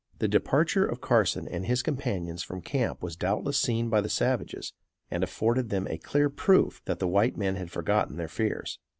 The departure of Carson and his companions from camp was doubtless seen by the savages and afforded them a clear proof that the white men had forgotten their fears.